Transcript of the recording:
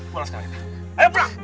pulang sekarang rima